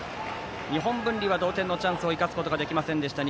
日本文理は同点のチャンスを生かすことができませんでした。